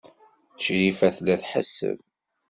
Crifa tella tḥesseb.